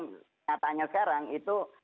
katanya sekarang itu